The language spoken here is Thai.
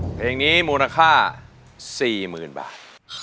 เพลงนี้มูลค่า๔๐๐๐บาท